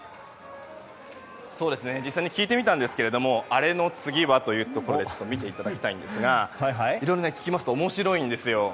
実際に聞いてみたんですがアレの次はということで見ていただきたいんですがいろいろ、聞きますと面白いんですよ。